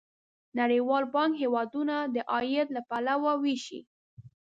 نړیوال بانک هیوادونه د عاید له پلوه ویشي.